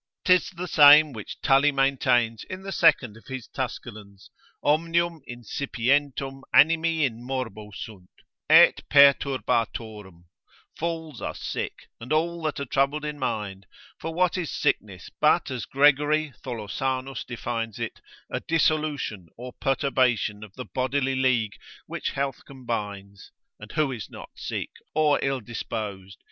'Tis the same which Tully maintains in the second of his Tusculans, omnium insipientum animi in morbo sunt, et perturbatorum, fools are sick, and all that are troubled in mind: for what is sickness, but as Gregory Tholosanus defines it, A dissolution or perturbation of the bodily league, which health combines: and who is not sick, or ill disposed?